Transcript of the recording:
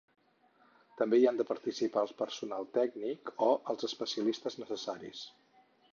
També hi han de participar el personal tècnic o els especialistes necessaris.